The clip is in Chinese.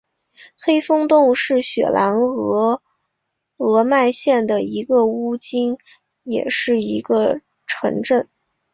黑风洞是雪兰莪鹅唛县的一个巫金也是一个城镇。